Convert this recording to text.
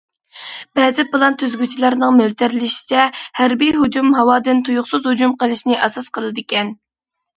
بەزى پىلان تۈزگۈچىلەرنىڭ مۆلچەرلىشىچە، ھەربىي ھۇجۇم ھاۋادىن تۇيۇقسىز ھۇجۇم قىلىشنى ئاساس قىلىدىكەن.